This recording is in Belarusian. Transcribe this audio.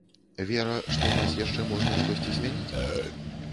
Вера, што ў нас яшчэ можна штосьці змяніць?